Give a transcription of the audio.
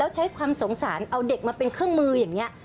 ใช้ความสงสารเอาเด็กมาเป็นเครื่องมืออย่างนี้